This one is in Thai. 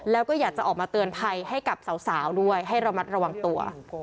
แล้วก็อยากจะออกมาเตือนภัยให้กับสาวด้วยให้ระมัดระวังตัว